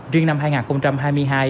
riêng năm hai nghìn hai mươi hai